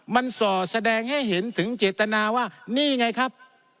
มันส่อแสดงให้เห็นถึงเจตนาว่านี่ไงครับ